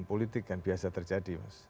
politik yang biasa terjadi mas